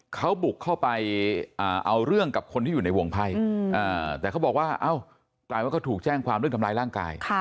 เขาบุกเข้าไปเอาเรื่องกับคนที่อยู่ในวงไพ่แต่เขาบอกว่าเอ้ากลายว่าเขาถูกแจ้งความเรื่องทำร้ายร่างกาย